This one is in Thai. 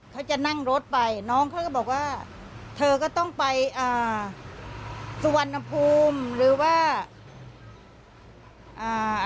เขาจะนั่งรถไปน้องเขาก็บอกว่าเธอก็ต้องไปอ่าสุวรรณภูมิหรือว่าอ่า